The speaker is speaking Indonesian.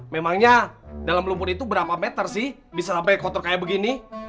memangnya dalam lumpur itu berapa meter sih bisa sampai kotor kayak begini